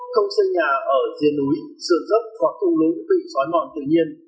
không xây nhà ở dưới núi sườn rớt hoặc thùng lũ bị khói mòn tự nhiên